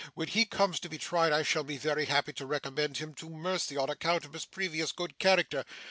When he comes to be tried, I shall be very happy to recommend him to mercy on account of his previous good character.